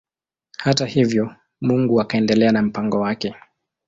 Hata hivyo Mungu akaendelea na mpango wake.